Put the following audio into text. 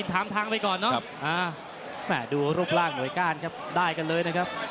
ถึงนี้แดงฝ่ายเกี่ยวเลยนะครับ